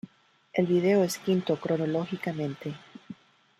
El video es quinto cronológicamente.